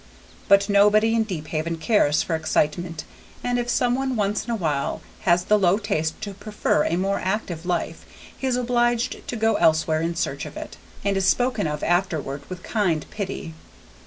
But nobody in Deephaven cares for excitement, and if some one once in a while has the low taste to prefer a more active life, he is obliged to go elsewhere in search of it, and is spoken of afterward with kind pity.